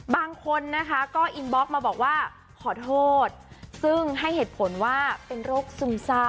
บางคนนะคะก็อินบล็อกมาบอกว่าขอโทษซึ่งให้เหตุผลว่าเป็นโรคซึมเศร้า